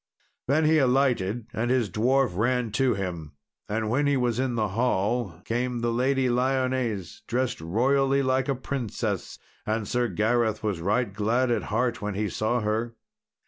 Then he alighted, and his dwarf ran to him. And when he was in the hall came the Lady Lyones dressed royally like a princess. And Sir Gareth was right glad of heart when he saw her.